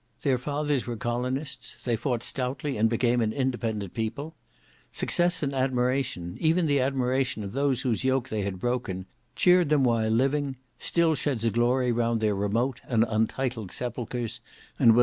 Their fathers were colonists; they fought stoutly, and became an independent people. Success and admiration, even the admiration of those whose yoke they had broken, cheered them while living, still sheds a glory round their remote and untitled sepulchres, and will illumine the page of their history for ever.